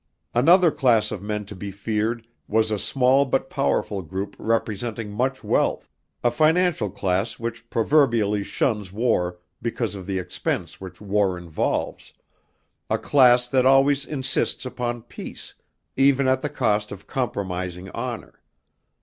Another class of men to be feared was a small but powerful group representing much wealth, a financial class which proverbially shuns war because of the expense which war involves; a class that always insists upon peace, even at the cost of compromised honor.